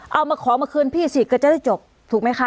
เอามาขอมาคืนพี่สิก็จะได้จบถูกไหมคะ